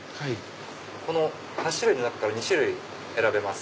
この８種類の中から２種類選べます。